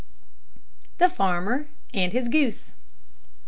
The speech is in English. THE FARMER AND HIS GOOSE.